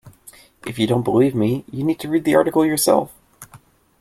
If you don't believe me, you need to read the article yourself